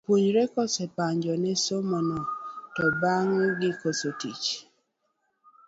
Jopuonjre ka osepanjo ne somo no to bang'e gikoso tich.